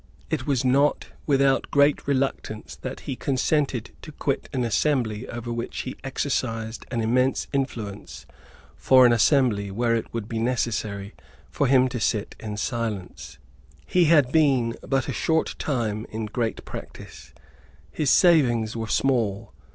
It was not without great reluctance that he consented to quit an assembly over which he exercised an immense influence for an assembly where it would be necessary for him to sit in silence. He had been but a short time in great practice. His savings were small.